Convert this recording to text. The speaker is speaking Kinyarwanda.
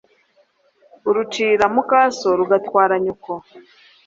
urucira mukaso rugatwara nyoko